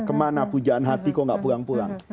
kemana pujaan hati kok gak pulang pulang